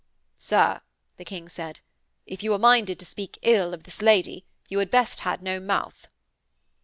'Sir,' the King said, 'if you are minded to speak ill of this lady you had best had no mouth.'